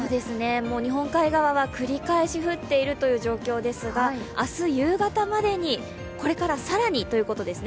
日本海側は繰り返し降っていますが、明日夕方までにこれから更にということですね。